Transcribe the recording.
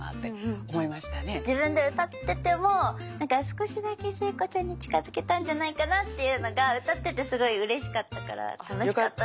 自分で歌っててもなんか少しだけ聖子ちゃんに近づけたんじゃないかな？っていうのが歌っててすごいうれしかったから楽しかったです。